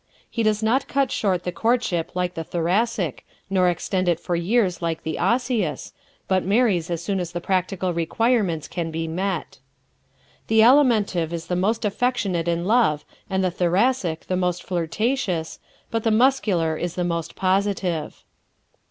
He does not cut short the courtship like the Thoracic, nor extend it for years like the Osseous, but marries as soon as the practical requirements can be met. The Alimentive is the most affectionate in love and the Thoracic the most flirtatious, but the Muscular is the most positive.